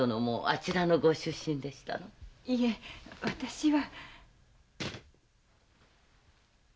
いえ私は。